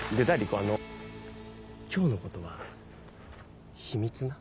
あの今日のことは秘密な。